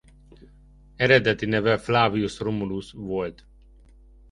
Eredeti neve Flavius Romulus volt.